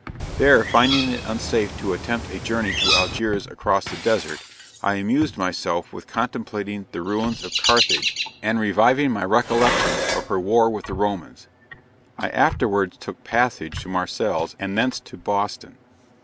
There finding it unsafe to attempt a journey to Algiers across the desert, I amused myself with contemplating the ruins of Carthage, and reviving my recollections of her war with the Romans. I afterwards took passage to Marseilles, and thence to Boston."